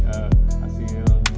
terima kasih teman teman media